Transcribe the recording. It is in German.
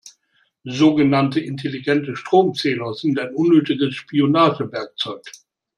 Sogenannte intelligente Stromzähler sind ein unnötiges Spionagewerkzeug.